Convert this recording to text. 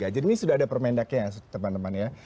jadi ini sudah ada permendaknya ya teman teman ya